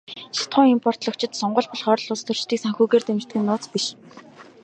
Шатахуун импортлогчид сонгууль болохоор л улстөрчдийг санхүүгээр дэмждэг нь нууц биш.